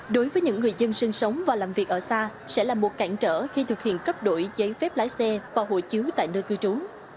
đối với những người dân sinh sống và làm việc ở xa sẽ là một cản trở khi thực hiện cấp đổi giấy phép lái xe và hộ chiếu tại nơi cư trú